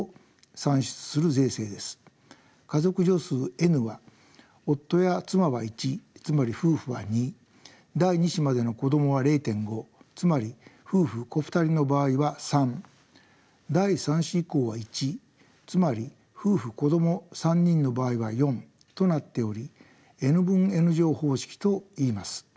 家族除数Ｎは夫や妻は１つまり夫婦は２第２子までの子どもは０．５つまり夫婦子２人の場合は３第３子以降は１つまり夫婦子ども３人の場合は４となっておりＮ分Ｎ乗方式といいます。